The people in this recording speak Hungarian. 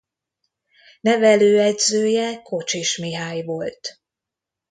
Nevelőedzője Kocsis Mihály volt.